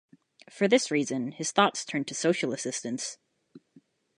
For this reason, his thoughts turned to social assistance.